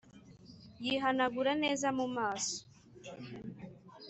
yihanagura neza mumaso